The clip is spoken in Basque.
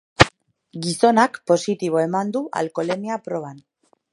Gizonak positibo eman du alkoholemia proban.